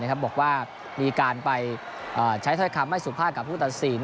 นะครับบอกว่ามีการไปเอ่อใช้ถ้อยคำไม่สุภาคสิน